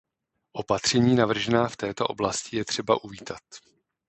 Opatření navržená v této oblasti je třeba uvítat.